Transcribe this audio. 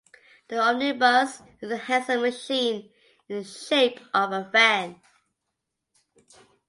The Omnibus is a handsome machine, in the shape of a van.